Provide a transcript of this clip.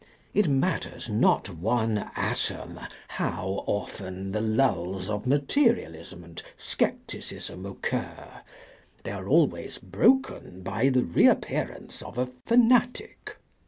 It matters not one atom how often the lulls of materialism and scepticism occur ; they are always broken by the reappearance of a fanatic.